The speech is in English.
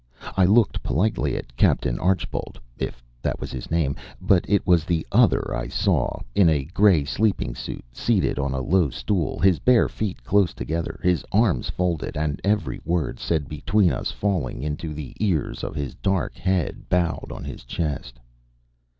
I looked politely at Captain Archbold (if that was his name), but it was the other I saw, in a gray sleeping suit, seated on a low stool, his bare feet close together, his arms folded, and every word said between us falling into the ears of his dark head bowed on his chest.